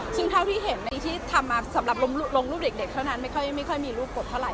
ซึ่งเท่าที่เห็นในที่ทำมาสำหรับลงรูปเด็กเท่านั้นไม่ค่อยมีรูปกฎเท่าไห